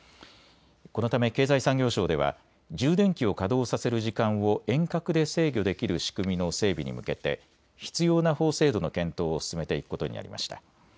このため経済産業省では充電器を稼働させる時間を遠隔で制御できる仕組みの整備に向けて必要な法制度の検討を進めていくことになりました。